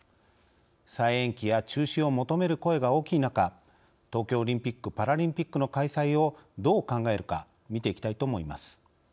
再延期や中止を求める声が大きい中、東京オリンピック・パラリンピックの開催をどう考えるか見ていきたいと思います。